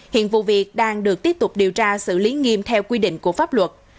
hiện vụ việc đang được tiếp tục điều tra xử lý nghiêm theo quy định của pháp luật